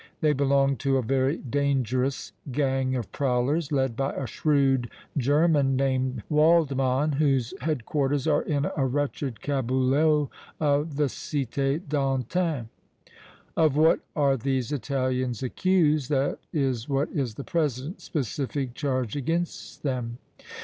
They belong to a very dangerous gang of prowlers, led by a shrewd German named Waldmann, whose headquarters are in a wretched caboulot of the Cité d' Antin." "Of what are these Italians accused, that is what is the present specific charge against them?"